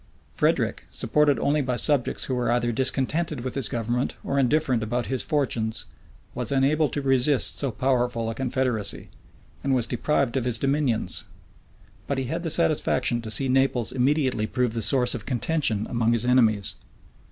Frederick, supported only by subjects who were either discontented with his government or indifferent about his fortunes, was unable to resist so powerful a confederacy, and was deprived of his dominions: but he had the satisfaction to see Naples immediately prove the source of contention among his enemies.